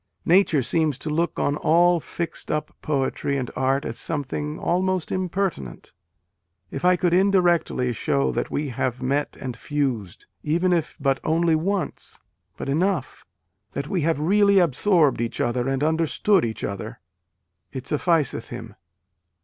Nature seems to look on all fixed up poetry and art as something almost impertinent. ... If I could indirectly show that we have met and fused, even if but only once, but enough that we have really absorbed each other and understood each other," it sufficed him.